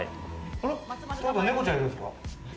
猫ちゃん、いるんすか？